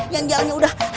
yang jalan udah